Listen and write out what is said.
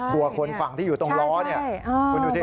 บัวคนฝั่งที่อยู่ตรงล้อเนี่ยคุณดูสิ